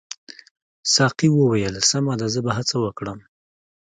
ساقي وویل سمه ده زه به هڅه وکړم.